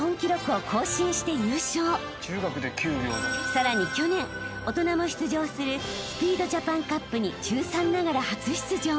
［さらに去年大人も出場するスピードジャパンカップに中３ながら初出場。